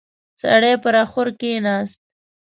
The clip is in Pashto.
سړی پر اخور کېناست.